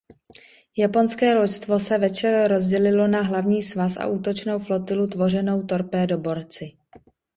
Japonské loďstvo se večer rozdělilo na hlavní svaz a útočnou flotilu tvořenou torpédoborci.